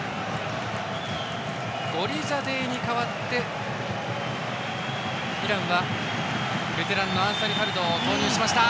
ゴリザデーに代わってイランはベテランのアンサリファルドを投入しました。